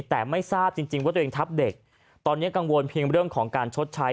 แต่ไม่ทราบจริงว่าตัวเองทับเด็กตอนนี้กังวลเพียงเรื่องของการชดใช้